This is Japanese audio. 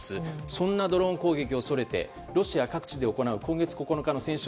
そんなドローン攻撃を恐れてロシア各地で行う今月９日の戦勝